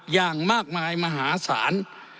อย่างมากมายมหาศาล